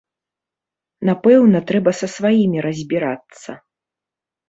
Напэўна, трэба са сваімі разбірацца.